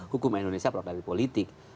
hukum indonesia produk dari politik